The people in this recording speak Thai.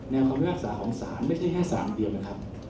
คำพิพากษาของศาลไม่ใช่แค่สารเดียวนะครับ